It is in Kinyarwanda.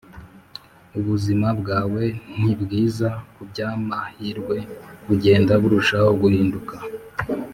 ubuzima bwawe ntibwiza kubwamahirwe, bugenda burushaho guhinduka.